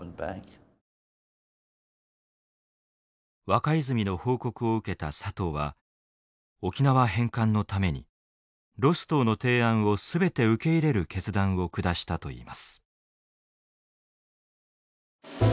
若泉の報告を受けた佐藤は沖縄返還のためにロストウの提案を全て受け入れる決断を下したといいます。